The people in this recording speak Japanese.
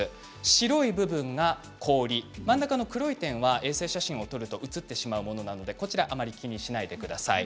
白い部分が氷真ん中の黒い点が衛星写真を撮ると写ってしまうものなので、こちらあまり気にしないでください。